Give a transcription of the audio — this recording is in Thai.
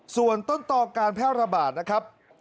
ส่วนต้นต่อการแพร่ระบาดนะครับ